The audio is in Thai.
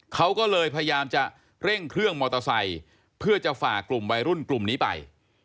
เขาก็เลยพยายามจะเร่งเครื่องมอเตอร์ไซค์เพื่อจะฝ่ากลุ่มวัยรุ่นกลุ่มนี้ไป